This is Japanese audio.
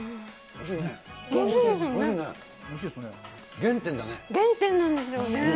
原点なんですよね。